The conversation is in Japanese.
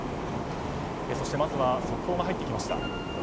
そして、まずは速報が入ってきました。